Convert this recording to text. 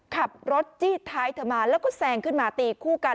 ขับรถจี้ท้ายเธอมาแล้วก็แซงขึ้นมาตีคู่กัน